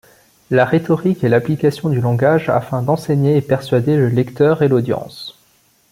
La rhétorique est l'application du langage afin d'enseigner et persuader le lecteur et l'audience.